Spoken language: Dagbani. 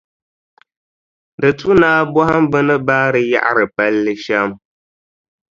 Di tu ni a bɔhim bɛ ni baari yaɣiri palli shɛm.